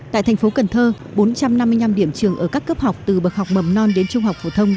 tại thành phố cần thơ bốn trăm năm mươi năm điểm trường ở các cấp học từ bậc học mầm non đến trung học phổ thông